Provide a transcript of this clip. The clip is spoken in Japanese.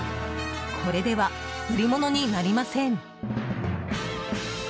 これでは売り物になりません。